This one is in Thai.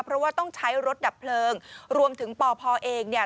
เพราะว่าต้องใช้รถดับเพลิงรวมถึงปพเองเนี่ย